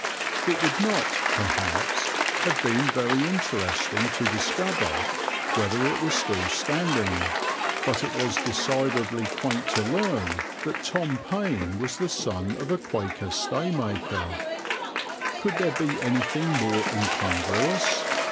It would not, perhaps, have been very interesting to discover whether it was still standing; but it was decidedly quaint to learn that Tom Paine was the son of a Quaker staymaker. Could there be anything more incongruous?